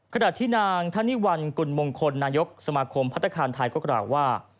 ขณะที่นางธนิวัลกุลมงคลนายกสมาคมพัฒนาคารไทยก็กล่าวว่า